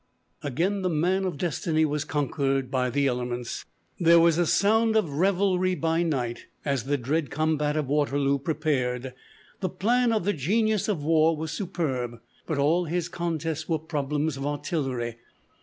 Again the "Man of Destiny" was conquered by the elements. "There was a sound of revelry by night" as the dread combat of Waterloo prepared. The plan of the "Genius of War" was superb. But all his contests were problems of artillery.